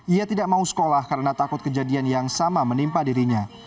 ia tidak mau sekolah karena takut kejadian yang sama menimpa dirinya